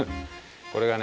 これがね